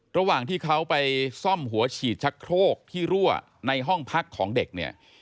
ระหว่างที่เขาไปซ่อมหัวฉีดชักโครกที่รั่วในห้องพักของเด็กเนี่ย